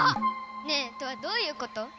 ねえトアどういうこと？